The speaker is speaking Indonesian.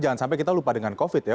jangan sampai kita lupa dengan covid ya